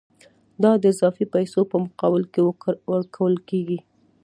دا د اضافي پیسو په مقابل کې ورکول کېږي